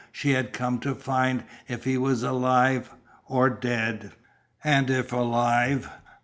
She had come to find if he was alive or dead. And if alive?